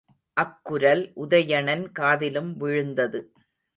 அக் குரல் உதயணன் காதிலும் விழுந்தது.